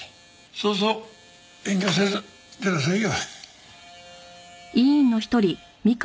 そうそう遠慮せず出なさいよ。